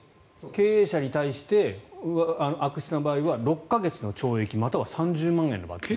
経営者に対して、悪質な場合は６か月の懲役または３０万円の罰金。